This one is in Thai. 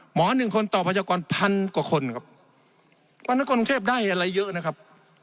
หมอหนึ่งคนต่อประชากรพันกว่าคนครับกรุงเทพได้อะไรเยอะนะครับ